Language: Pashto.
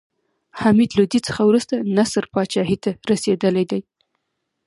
حمید لودي څخه وروسته نصر پاچاهي ته رسېدلى دﺉ.